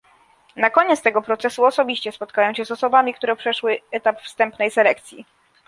Na koniec tego procesu osobiście spotkałem się z osobami, które przeszły etap wstępnej selekcji